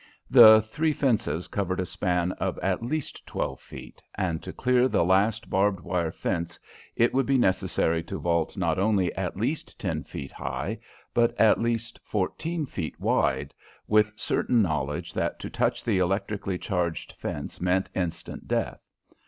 The three fences covered a span of at least twelve feet, and to clear the last barbed wire fence it would be necessary to vault not only at least ten feet high, but at least fourteen feet wide, with certain knowledge that to touch the electrically charged fence meant instant death.